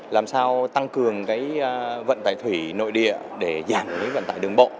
làm sao tăng cường vận tải thủy nội địa để giảm vận tải đường bộ